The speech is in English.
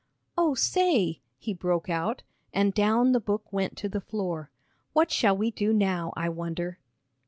"Oh, say," he broke out, and down the book went to the floor, "what shall we do now, I wonder?"